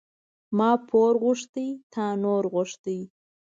ما پور غوښته تا نور غوښته.